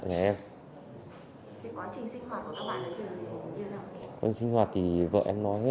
cái quá trình sinh hoạt thì vợ em nói hết ạ